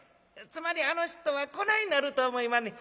「つまりあの人はこないなると思いまんねん。